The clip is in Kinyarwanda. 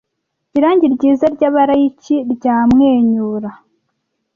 irangi ryiza ryabalayiki ryamwenyura